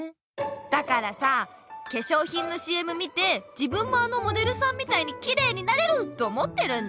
だからさけしょうひんのＣＭ見て自分もあのモデルさんみたいにきれいになれると思ってるんだよ。